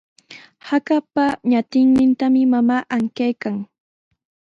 Hakapa ñatinnintami mamaa ankaykan.